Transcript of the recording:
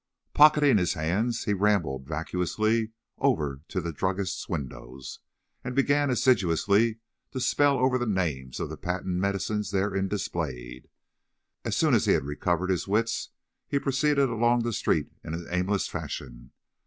Pocketing his hands, he rambled vacuously over to the druggist's windows, and began assiduously to spell over the names of the patent medicines therein displayed. As soon as be had recovered his wits, he proceeded along the street in an aimless fashion.